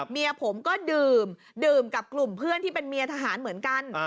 เมียผมก็ดื่มดื่มกับกลุ่มเพื่อนที่เป็นเมียทหารเหมือนกัน